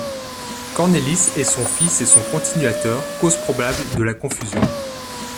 Cornelis est son fils et son continuateur, cause probable de la confusion.